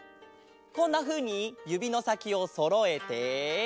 こんなふうにゆびのさきをそろえて。